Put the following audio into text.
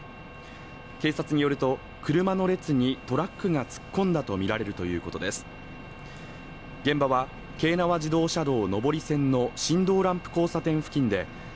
警察によると車の列にトラックが突っ込んだとみられるということです